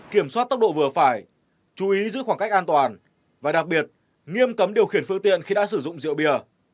kiểm soát tốc độ vừa phải chú ý giữ khoảng cách an toàn và đặc biệt nghiêm cấm điều khiển phương tiện khi đã sử dụng rượu bia